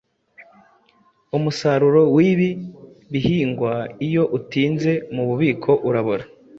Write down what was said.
Umusaruro w’ibi bihingwa iyo utinze mu bubiko urabora,